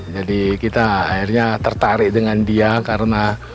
jadi kita akhirnya tertarik dengan dia karena